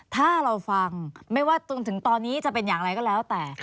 ถ้าเราฟังไม่ว่าจนถึงตอนนี้จะเป็นอย่างไรก็แล้วแต่